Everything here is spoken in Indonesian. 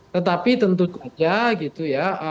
tetapi tentu saja gitu ya